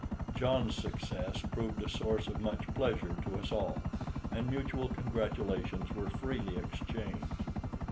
John's success proved a source of much pleasure to us all, and mutual congratulations were freely exchanged.